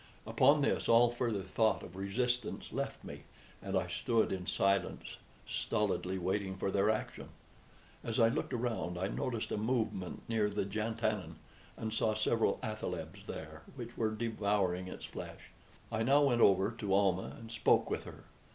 Upon this all further thought of resistance left me, and I stood in silence, stolidly waiting for their action. As I looked around I noticed a movement near the jantannin, and saw several athalebs there, which were devouring its flesh. I now went over to Almah and spoke with her.